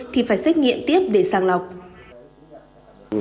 thì phải xét nghiệm tiếp để sàng lọc